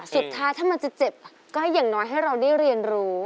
สุดท้ายถ้ามันจะเจ็บก็อย่างน้อยให้เราได้เรียนรู้